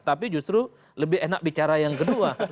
tapi justru lebih enak bicara yang kedua